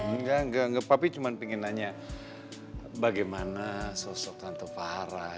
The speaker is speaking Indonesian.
enggak enggak enggak papi cuma pengen nanya bagaimana sosok tante farah